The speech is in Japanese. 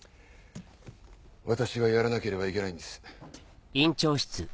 私がやらなければいけないんです。